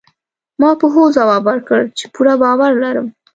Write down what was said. ما په هوځواب ورکړ، چي پوره باور لرم.